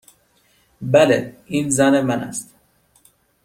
بله. این زن من است.